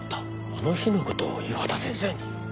あの日の事を岩田先生に？